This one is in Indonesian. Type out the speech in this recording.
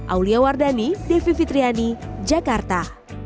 aulia wardani devi fitriani jakarta